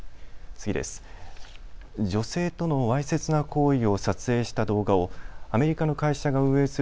次です。